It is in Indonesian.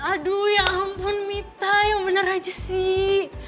aduh ya ampun mita yang benar aja sih